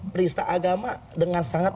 peristah agama dengan sangat